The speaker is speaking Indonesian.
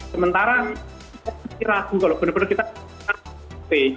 sementara kita masih ragu kalau benar benar kita